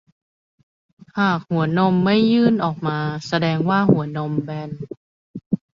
หากหัวนมไม่ยื่นออกมาแสดงว่าหัวนมแบน